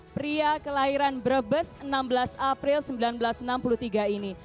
pria kelahiran brebes enam belas april seribu sembilan ratus enam puluh tiga ini